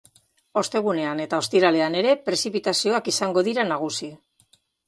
Ostegunean eta ostiralean ere, prezipitazioak izango dira nagusi.